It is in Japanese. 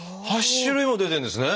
８種類も出てるんですね。